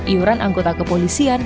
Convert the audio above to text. iuran anggota kepolisian